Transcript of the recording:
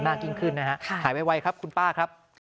มากยิ่งคืนนะฮะขายไวครับคุณป้าครับ